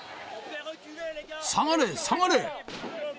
下がれ、下がれ！